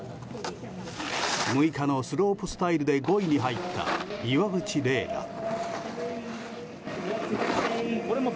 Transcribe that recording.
６日のスロープスタイルで５位に入った、岩渕麗楽。